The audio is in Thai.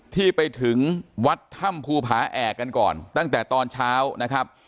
ที่ไปถึงวัดถ้ำภูผาแอกกันก่อนตั้งแต่ตอนเช้านะครับ